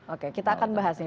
oke kita akan bahas ini